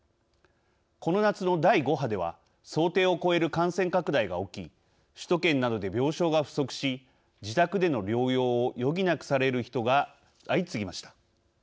この夏の第５波では想定を超える感染拡大が起き首都圏などで病床が不足し自宅での療養を余儀なくされる人が相次ぎました。